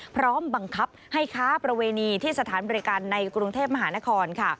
พร้อมบังคับให้ค้าประเวณีที่สถานบริการในกรุงเทพมหานคร